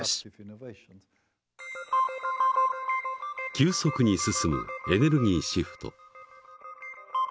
急速に進むエネルギーシフト。